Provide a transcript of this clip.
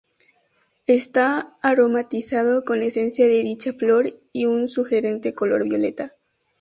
Está aromatizado con esencia de dicha flor y un sugerente color violeta.